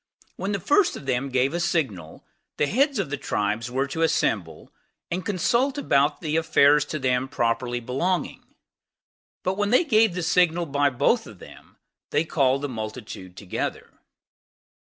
When the first of them gave a signal, the heads of the tribes were to assemble, and consult about the affairs to them properly belonging; but when they gave the signal by both of them, they called the multitude together.